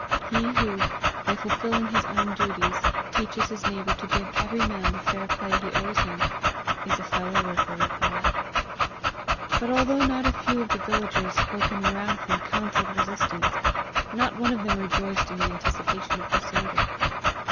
He who, by fulfilling his own duties, teaches his neighbour to give every man the fair play he owes him, is a fellow worker with God. But although not a few of the villagers spoke in wrath and counselled resistance, not one of them rejoiced in the anticipation of disorder.